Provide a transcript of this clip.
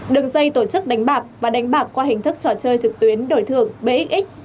đường dây tổ chức đánh bạc và đánh bạc qua hình thức trò chơi trực tuyến đổi thượng bxx